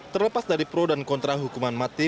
terlepas dari pro dan kontra hukuman mati